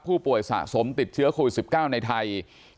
ผู้ป่วยสะสมติดเชื้อโควิด๑๙ในไทย